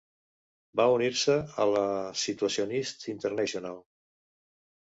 Va unir-se a la Situacionist International.